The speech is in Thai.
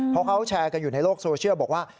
เพราะเขาแชร์กันอยู่ในโลกโซเชียลบอกว่า